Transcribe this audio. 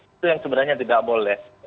itu yang sebenarnya tidak boleh